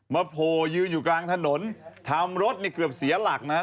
โผล่ยืนอยู่กลางถนนทำรถเนี่ยเกือบเสียหลักนะครับ